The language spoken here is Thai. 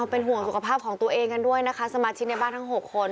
เป็นห่วงสุขภาพของตัวเองกันด้วยนะคะสมาชิกในบ้านทั้ง๖คน